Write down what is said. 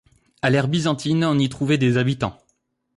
À l'ère Byzantine, on y trouvait des habitants.